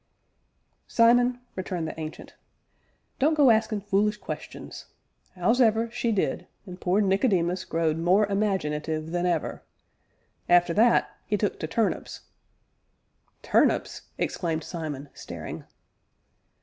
"Simon," returned the Ancient, "don't go askin' fulish questions. 'Ows'ever, she did, an' poor Nicodemus growed more imaginative than ever; arter that, 'e took to turnips." "Turnips?" exclaimed Simon, staring.